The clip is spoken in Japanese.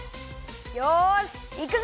よしいくぞ！